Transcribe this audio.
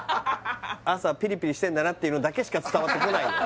朝ピリピリしてんだなっていうのだけしか伝わってこないよ